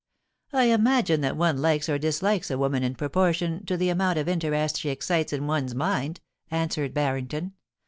* I imagine that one likes or dislikes a woman in propor tion to the amount of interest she excites in one's mind,* answered Barrington.